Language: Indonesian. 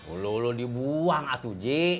ulu ulu dibuang atuji